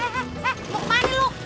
lu kemana lu